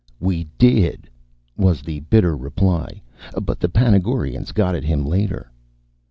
"We did," was the bitter reply, "but the Panagurans got at him later."